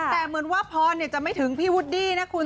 แต่เหมือนว่าพรจะไม่ถึงพี่วุดดี้นะคุณ